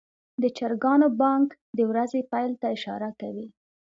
د چرګانو بانګ د ورځې پیل ته اشاره کوي.